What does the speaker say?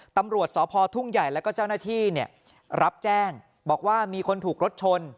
ตำรวจสพทุ่งใหญ่แล้วก็เจ้าหน้าที่รับแจ้งบอกว่ามีคนถูกรถชน